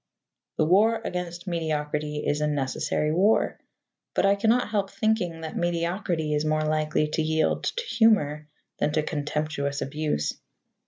The war against mediocrity is a necessary war, but I cannot help thinking that mediocrity is more likely to yield to humour than to contemptuous abuse.